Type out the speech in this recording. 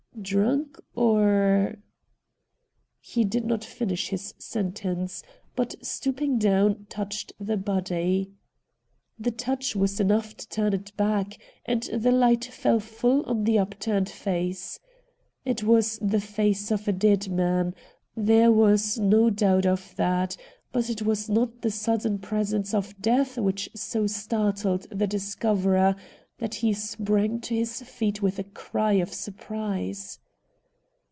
' Drunk — or ' He did not finish his sentence ; but, stooping down, touched the body. The touch was enough to turn it back, and the hght fell full on the up turned face. It was the face of a dead man ; there was no doubt of that ; but it was not the sudden presence of death which so startled the discoverer that he sprang to his feet with a cry of surprise.